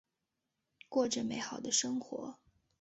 过着美好的生活。